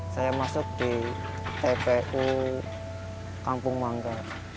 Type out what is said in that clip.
saya masuk di tpu kampung mangga